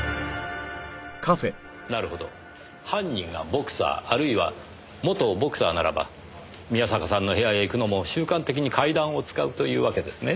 なるほど犯人がボクサーあるいは元ボクサーならば宮坂さんの部屋へ行くのも習慣的に階段を使うというわけですね。